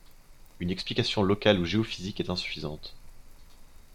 Une explication locale ou géophysique est insuffisante.